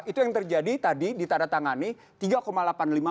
itu yang terjadi tadi di tanda tangan ini